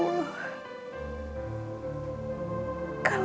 memohon padamu ya allah